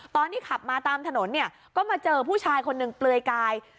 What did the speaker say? ตอนที่ขับมาตามถนนเนี่ยก็มาเจอผู้ชายคนหนึ่งเปลือยกาย